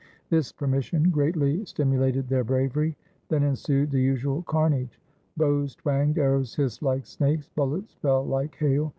This permission greatly stimulated their bravery. Then ensued the usual carnage. Bows twanged, arrows hissed like snakes, bullets fell like hail.